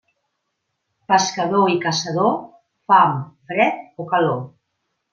Pescador i caçador, fam, fred o calor.